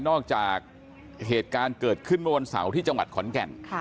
ออกจากเหตุการณ์เกิดขึ้นเมื่อวันเสาร์ที่จังหวัดขอนแก่น